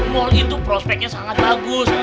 mall itu prospeknya sangat bagus